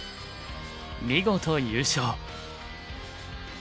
見事優勝。